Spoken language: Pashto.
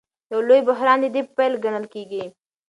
یو لوی بحران د دې پیل ګڼل کېږي.